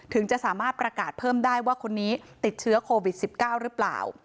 ถึงจะสามารถประกาศเพิ่มได้ว่าคนนี้ติดเชื้อโควิด๑๙หรือเปล่า